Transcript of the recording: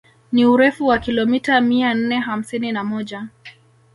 Ni urefu wa kilomita mia nne hamsini na moja